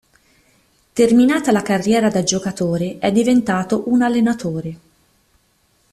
Terminata la carriera da giocatore, è diventato un allenatore.